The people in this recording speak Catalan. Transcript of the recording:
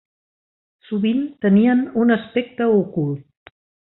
Sovint tenien un aspecte ocult.